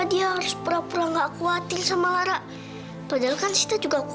kira kira tingginya segini